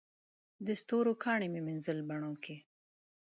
د ستورو کاڼي مې مینځل بڼوکي